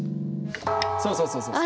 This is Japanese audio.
そうそうそうそう。